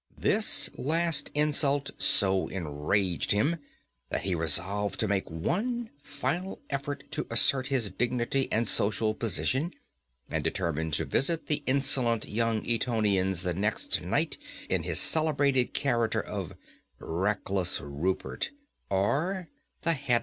This last insult so enraged him, that he resolved to make one final effort to assert his dignity and social position, and determined to visit the insolent young Etonians the next night in his celebrated character of "Reckless Rupert, or the Headless Earl."